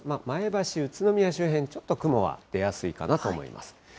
前橋、宇都宮周辺、ちょっと雲が出やすいかなと思います。